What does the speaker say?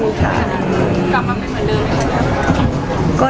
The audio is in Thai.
ร่วมช่วยก่อน